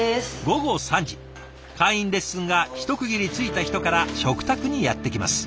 午後３時会員レッスンが一区切りついた人から食卓にやって来ます。